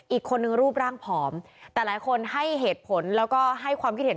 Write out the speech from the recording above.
อีกคนนึงรูปร่างผอมแต่หลายคนให้เหตุผลแล้วก็ให้ความคิดเห็น